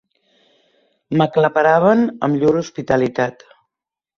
M'aclaparaven amb llur hospitalitat.